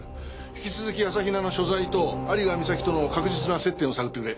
引き続き朝比奈の所在と有賀美咲との確実な接点を探ってくれ。